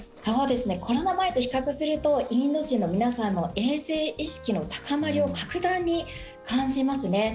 コロナ前と比較するとインド人の皆さんの衛生意識の高まりを格段に感じますね。